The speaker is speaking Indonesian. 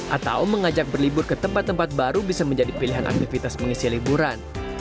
atau mengajak berlibur ke tempat tempat baru bisa menjadi pilihan aktivitas mengisi liburan